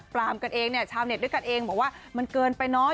ปรามกันเองเนี่ยชาวเน็ตด้วยกันเองบอกว่ามันเกินไปน้อย